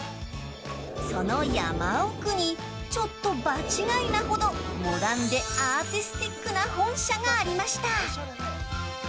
その山奥にちょっと場違いなほどモダンでアーティスティックな本社がありました。